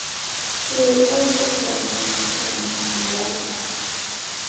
He is also prominent academic and writer.